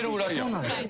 そうなんです。